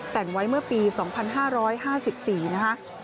แต่งไว้เมื่อปี๒๕๕๔นะคะ